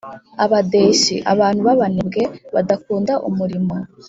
abadeshyi: abantu b’abanebwe, badakunda umurimo